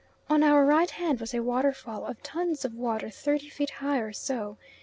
On our right hand was a waterfall of tons of water thirty feet high or so.